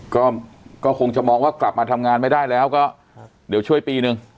ก็ก็คงจะมองว่ากลับมาทำงานไม่ได้แล้วก็เดี๋ยวช่วยปีนึง